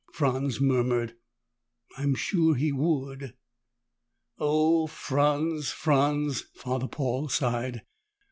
Franz murmured, "I'm sure he would." "Oh, Franz, Franz," Father Paul sighed.